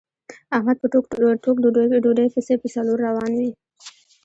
احمد په ټوک ډوډۍ پسې په څلور روان وي.